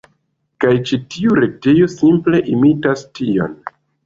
Kaj ĉi tiu retejo, simple imitas tion.